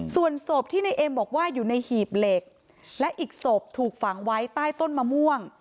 ส่วนศพที่ในเอ็มบอกว่าอยู่ในหีบเหล็กและอีกศพถูกฝังไว้ใต้ต้นมะม่วง